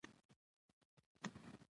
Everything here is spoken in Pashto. زده کړه د نجونو منطقي استدلال پیاوړی کوي.